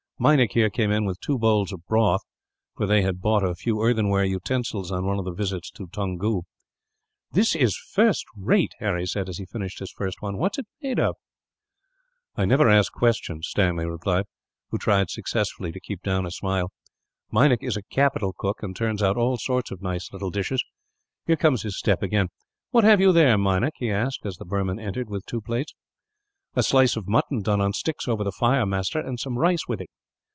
Meinik here came in, with two bowls of broth; for they had bought a few earthenware utensils on one of the visits to Toungoo. "That is first rate!" Harry said, as he finished his first one. "What is it made of?" "I never ask questions," Stanley replied who tried, successfully, to keep down a smile. "Meinik is a capital cook, and turns out all sorts of nice little dishes. Here comes his step again. "What have you there, Meinik?" he asked, as the Burman entered, with two plates. "A slice of mutton done on sticks over the fire, master, and some rice with it."